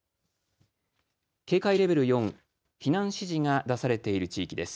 警戒レベル４避難指示が出されている地域です。